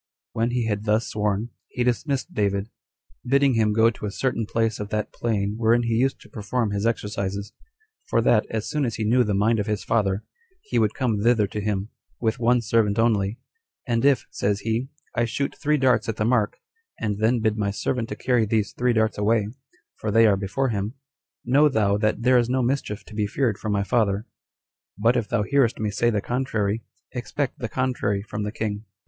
When he had thus sworn, he dismissed David, bidding him go to a certain place of that plain wherein he used to perform his exercises; for that, as soon as he knew the mind of his father, he would come thither to him, with one servant only; "and if," says he, "I shoot three darts at the mark, and then bid my servant to carry these three darts away, for they are before him, know thou that there is no mischief to be feared from my father; but if thou hearest me say the contrary, expect the contrary from the king.